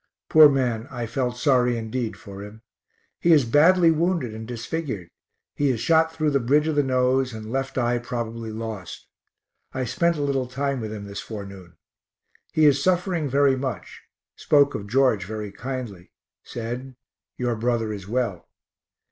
Poor man, I felt sorry indeed for him. He is badly wounded and disfigured. He is shot through the bridge of the nose, and left eye probably lost. I spent a little time with him this forenoon. He is suffering very much, spoke of George very kindly; said "Your brother is well."